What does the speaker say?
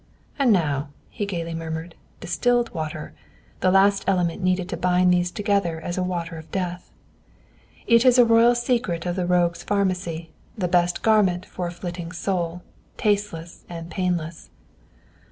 "And now," he gaily murmured, "distilled water," the last element needed to bind these together as a water of death. It is a royal secret of the rogue's pharmacy the best garment for a flitting soul, tasteless and painless.